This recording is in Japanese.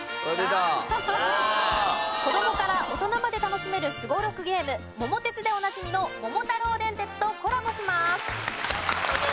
子どもから大人まで楽しめるすごろくゲーム『桃鉄』でおなじみの『桃太郎電鉄』とコラボします。